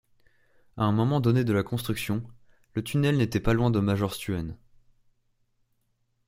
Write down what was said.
À un moment donné de la construction, le tunnel n'était pas loin de Majorstuen.